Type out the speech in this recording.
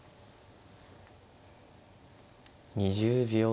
２０秒。